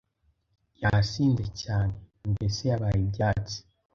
yasinze cyane mbese yabaye ibyatsi.